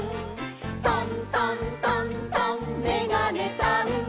「トントントントンめがねさん」